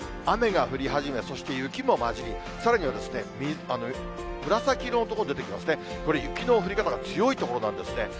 雨が降り始め、そして雪も交じり、さらには紫色の所出てきますね、これ、雪の降り方が強い所なんですね。